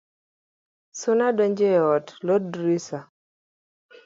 Suna donjo e ot , lor drisha